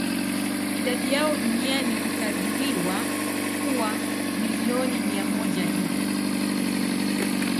Idadi yao duniani hukadiriwa kuwa milioni mia moja hivi.